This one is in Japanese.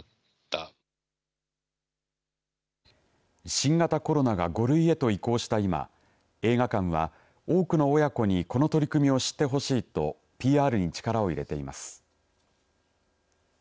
新型コロナが５類へと移行した今映画館は多くの親子にこの取り組みを知ってほしいとＰＲに力を入れています。